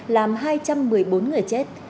làm hai trăm một mươi bốn người chết